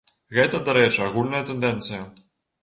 Гэта, дарэчы, агульная тэндэнцыя.